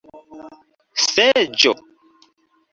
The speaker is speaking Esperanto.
seĝo